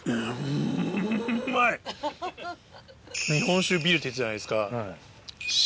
日本酒ビールって言ってたじゃないですか。